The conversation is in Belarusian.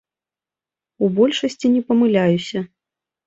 У большасці не памыляюся.